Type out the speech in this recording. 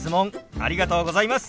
ありがとうございます。